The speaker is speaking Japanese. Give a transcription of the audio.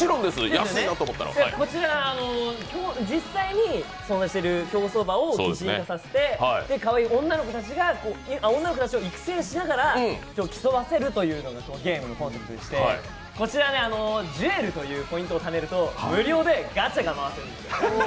こちら実際に存在している競争馬を擬人化させてかわいい女の子たちを育成しながら競わせるというのがコンセプトでしてこちらね、ジュエルというポイントをためると無料でガチャが回せるんですよ。